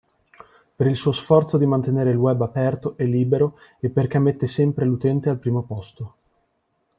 Per il suo sforzo di mantenere il web aperto e libero e perché mette sempre l’utente al primo posto.